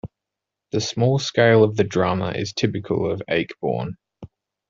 The small scale of the drama is typical of Ayckbourn.